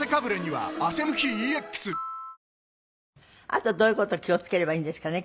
あとどういう事気を付ければいいんですかね？